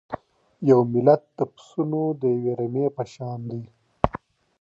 یو ملت د پسونو د یوې رمې په شان دی.